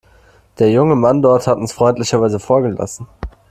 Der junge Mann dort hat uns freundlicherweise vorgelassen.